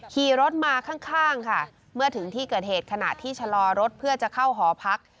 ขี่รถมาข้างค่ะเมื่อถึงที่เกิดเหตุขณะที่ชะลอรถเพื่อจะเข้าหอพัก